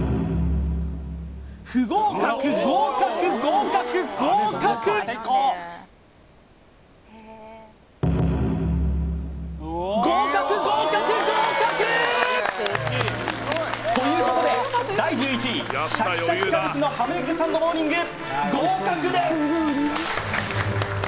不合格合格合格合格合格合格合格！ということで第１１位シャキシャキキャベツのハムエッグサンドモーニング合格です！